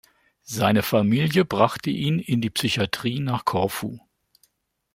Seine Familie brachte ihn in die Psychiatrie nach Korfu.